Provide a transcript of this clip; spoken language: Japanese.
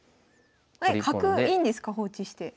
えっ角いいんですか放置して。